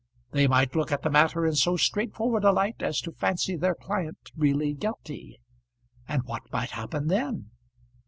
They might look at the matter in so straightforward a light as to fancy their client really guilty; and what might happen then?